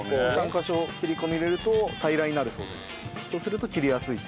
カ所切り込みを入れると平らになるそうでそうすると切りやすいと。